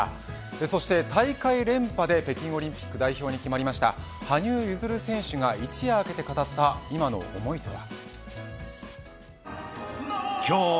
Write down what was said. そして大会連覇で北京オリンピック代表に決まった羽生結弦選手が一夜明けて語った今の思いとは。